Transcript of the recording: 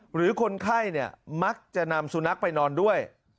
หรือคนไข้มักจะนำสุนัขไปนอนด้วย